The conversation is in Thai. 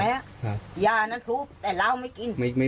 แม่บอกว่าลูกชายไม่ได้ทำ